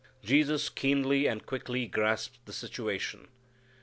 Jesus keenly and quickly grasps the situation.